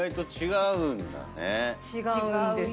違うんです。